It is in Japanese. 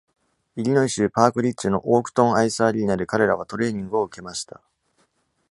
イリノイ州パークリッジのオークトン・アイスアリーナで彼らはトレーニングを受けました。